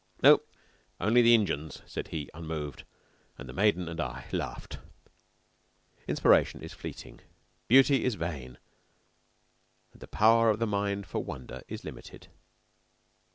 "No, only the Injians," said he, unmoved; and the maiden and I laughed. Inspiration is fleeting, beauty is vain, and the power of the mind for wonder limited.